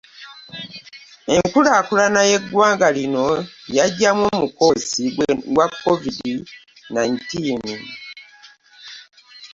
Enkulaakulana y'eggwanga lino yaggyamu omukoosi gwa covid nineteen.